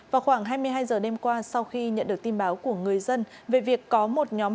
vào khoảng hai mươi hai h đêm qua sau khi nhận được tin báo của người dân về việc có một nhóm